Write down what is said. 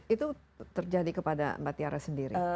itu terjadi kepada mbak tiara sendiri